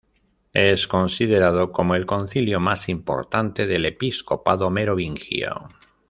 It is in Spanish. Es considerado como el concilio más importante del episcopado merovingio.